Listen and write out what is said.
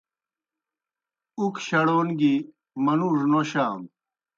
اُک شڑَون گیْ منْوڙوْ نوشانوْ۔